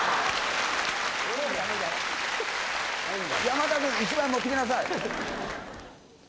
山田君、１枚持っていきなさい。